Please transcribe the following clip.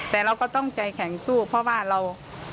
แต่เราก็ต้องใจแข็งสู้เพราะว่าเรา